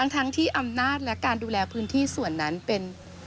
ทั้งที่อำนาจและการดูแลพื้นที่ส่วนนั้นเป็น